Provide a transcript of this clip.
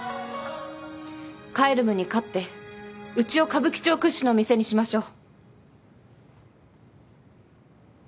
Ｃａｅｌｕｍに勝ってうちを歌舞伎町屈指の店にしましょう。